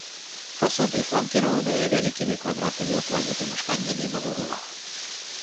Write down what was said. Фасады фланкіраваныя вялікімі квадратнымі ў плане памяшканнямі на вуглах.